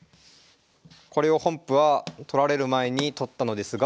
これを本譜は取られる前に取ったのですが。